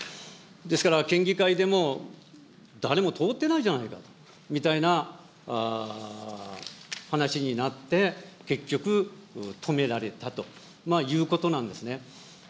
ですから県議会でも、誰も通ってないじゃないかと、みたいな話になって、結局、止められたということなんですね。